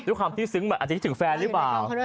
ด้วยความที่ซึ้งมันอาจจะคิดถึงแฟนหรือเปล่า